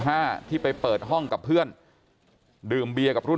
แต่ว่าวินนิสัยดุเสียงดังอะไรเป็นเรื่องปกติอยู่แล้วครับ